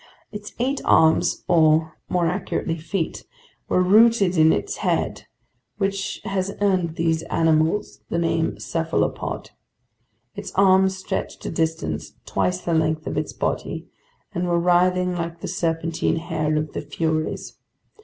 Its eight arms (or more accurately, feet) were rooted in its head, which has earned these animals the name cephalopod; its arms stretched a distance twice the length of its body and were writhing like the serpentine hair of the Furies.